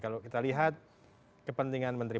kalau kita lihat kepentingan menteri